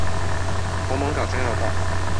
紅毛港交流道